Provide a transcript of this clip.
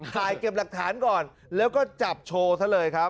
ถ่ายเก็บหลักฐานก่อนแล้วก็จับโชว์ซะเลยครับ